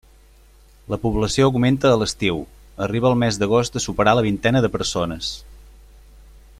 La població augmenta a l'estiu: arriba el mes d'agost a superar la vintena de persones.